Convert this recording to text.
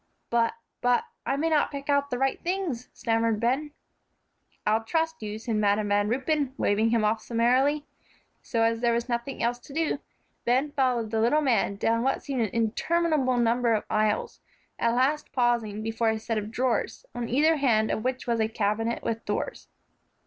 "But, but I may not pick out the right things," stammered Ben. "I'll trust you," said Madam Van Ruypen, waving him off summarily. So as there was nothing else to do, Ben followed the little man down what seemed an interminable number of aisles, at last pausing before a set of drawers, on either hand of which was a cabinet with doors.